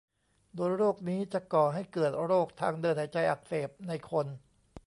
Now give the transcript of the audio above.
โดยโรคนี้จะก่อให้เกิดโรคทางเดินหายใจอักเสบในคน